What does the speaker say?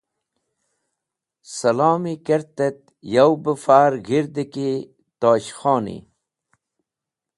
Salomi kert et yow be far g̃hirdi ki Tosh Khoni.